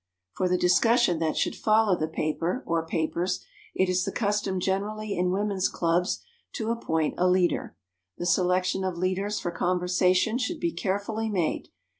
For the discussion that should follow the paper, or papers, it is the custom generally in women's clubs to appoint a leader. The selection of leaders for conversation should be carefully made.